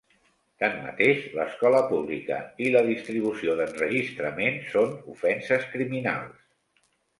Tanmateix, l'escolta pública i la distribució d'enregistraments són ofenses criminals.